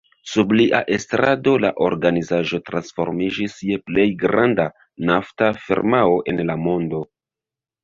Sub lia estrado la organizaĵo transformiĝis je plej granda nafta firmao en la mondo.